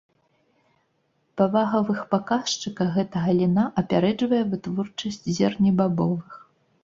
Па вагавых паказчыках гэтая галіна апярэджвае вытворчасць зернебабовых.